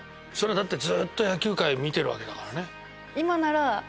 だってずっと野球界見てるわけだからね。